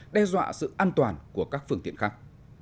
đe dọa sự an toàn của các phương tiện khác